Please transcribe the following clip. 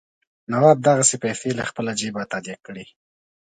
نواب دغه پیسې له خپله جېبه تادیه کړي.